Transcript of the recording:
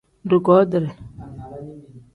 Dugotire.